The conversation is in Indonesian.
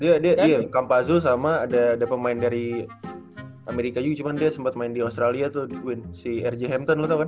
dia dia dia campazzo sama ada pemain dari amerika juga cuman dia sempet main di australia tuh winn si rj hampton lo tau kan